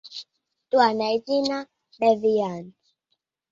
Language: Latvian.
To nezina neviens.